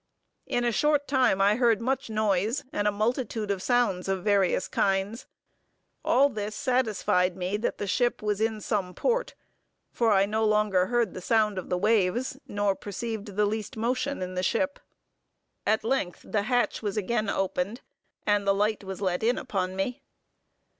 In a short time I heard much noise, and a multitude of sounds of various kinds. All this satisfied me that the ship was in some port; for I no longer heard the sound of the waves, nor perceived the least motion in the ship. At length the hatch was again opened, and the light was let in upon me.